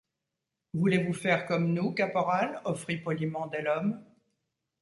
Voulez-vous faire comme nous, Caporal ? offrit poliment Delhomme.